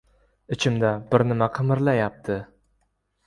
«Ichimda bir nima qimirlayapti».